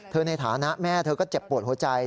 ในฐานะแม่เธอก็เจ็บปวดหัวใจ